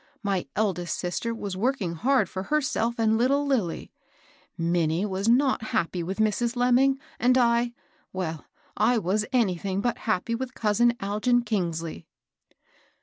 My eldest sister was working hard for herself and little Lilly ; Minnie was not happy with Mrs. Lemming ; and I, — well, I was anything but happy with cousin Algin Elingsley."